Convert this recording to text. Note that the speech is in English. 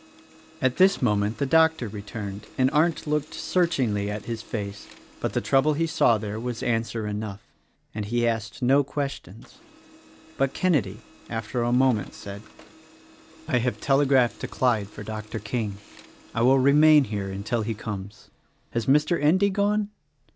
At this moment the doctor returned, and Arndt looked searchingly at his face; but the trouble he saw there was answer enough, and he asked no questions. But Kenedy, after a moment said, "I have telegraphed to Clyde for Dr. 48 THE RECORDING ANGEL King. I will remain here until he comes. Has Mr. Endy gone?"